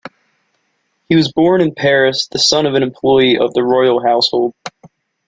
He was born in Paris, the son of an employee of the royal household.